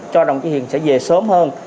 cho đồng chí hiền sẽ về sớm hơn